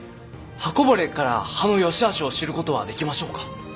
刃こぼれから刀の善しあしを知ることはできましょうか？